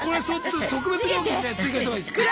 特別料金ね追加したほうがいいです。